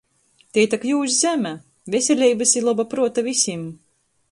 Tei tok jūs zeme! Veseleibys i loba pruota vysim!